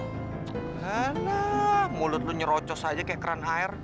nah mulut lu nyerocos aja kayak kran hair